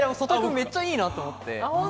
めっちゃいいなと思って。